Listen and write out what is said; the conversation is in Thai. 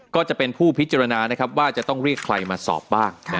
ก็จะเป็นผู้พิจารณานะครับว่าจะต้องเรียกใครมาสอบบ้าง